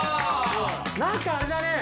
何かあれだね。